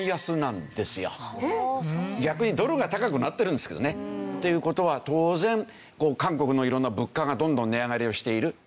逆にドルが高くなってるんですけどね。っていう事は当然韓国の色んな物価がどんどん値上がりをしている。